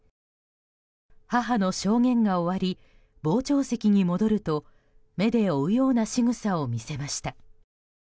母の証言が終わり傍聴席に戻ると目で追うようなしぐさを見せました。